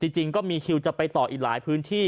จริงก็มีคิวจะไปต่ออีกหลายพื้นที่